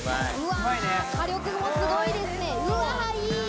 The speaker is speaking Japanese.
火力もすごいですね。